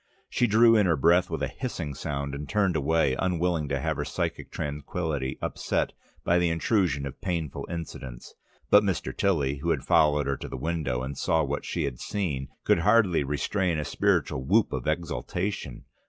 She drew in her breath with a hissing sound and turned away, unwilling to have her psychic tranquillity upset by the intrusion of painful incidents. But Mr. Tilly, who had followed her to the window and saw what she had seen, could hardly restrain a spiritual whoop of exultation.